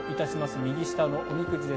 右下のおみくじです。